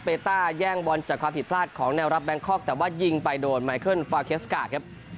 ต้าแย่งบอลจากความผิดพลาดของแนวรับแบงคอกแต่ว่ายิงไปโดนไมเคิลฟาเคสกาครับ